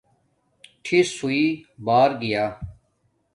ٹھِس ہݸئئ بار گیا